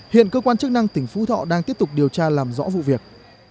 hiện cơ quan chức năng tỉnh phú thọ đang tiếp tục điều tra làm rõ vụ việc